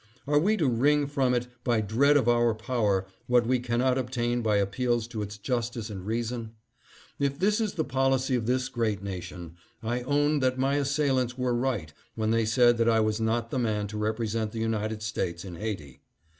Are we to wring from it by dread of our power what we cannot obtain by appeals to its justice and reason ? If this is the policy of this great nation, I own that my assailants were right when they said that I was not the man to represent the United States in Haiti.